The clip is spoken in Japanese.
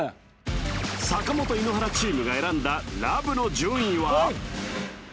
坂本井ノ原チームが選んだｌｏｖｅの順位は？